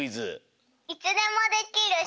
いつでもできるし。